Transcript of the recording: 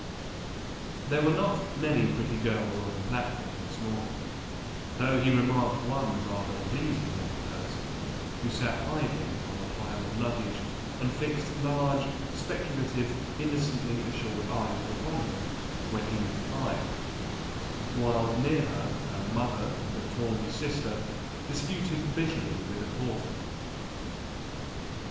There were not many pretty girls on the platform this morning, though he remarked one rather pleasing young person who sat idly on a pile of luggage and fixed large, speculative, innocently assured eyes upon him when he went by, while near her her mother and a tawny sister disputed bitterly with a porter.